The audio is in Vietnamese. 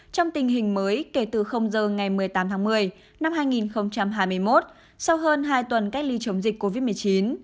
trong tình hình mới kể từ giờ ngày một mươi tám tháng một mươi năm hai nghìn hai mươi một sau hơn hai tuần cách ly chống dịch covid một mươi chín